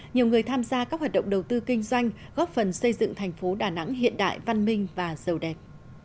nhiều người tham gia các hoạt động đầu tư kinh doanh góp phần xây dựng thành phố đà nẵng hiện đại văn minh và giàu đẹp